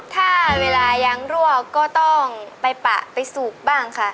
ถ้าเวลายางรั่วก็ต้องไปปะไปสูบบ้างค่ะ